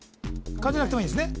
漢字じゃなくてもいいんですね？